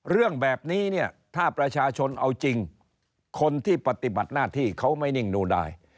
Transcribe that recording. เรื่องแบบนี้เนี่ยถ้าประชาชนเอาจริงคนที่ปฏิบัติหน้าที่เขาไม่นิ่งดูได้